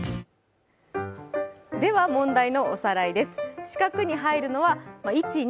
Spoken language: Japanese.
では、問題のおさらいです。